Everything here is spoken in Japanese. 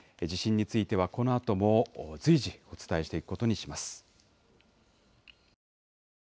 地震については、このあとも随時、お伝えしていくことにします。